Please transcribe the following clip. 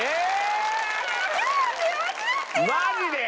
マジで？